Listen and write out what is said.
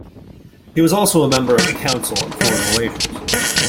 He was also a member of the Council on Foreign Relations.